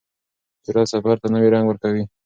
سرعت سفر ته نوی رنګ ورکوي.